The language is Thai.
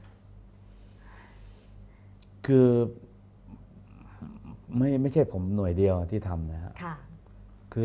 คือไม่ใช่ผมหน่วยเดียวที่ทำนะครับ